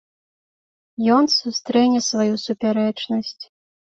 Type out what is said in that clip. Ён сустрэне сваю супярэчнасць.